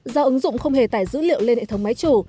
do ứng dụng không hề tải dữ liệu lên hệ thống máy chủ